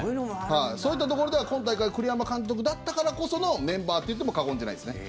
そういったところでは今大会栗山監督だったからこそのメンバーって言っても過言じゃないですね。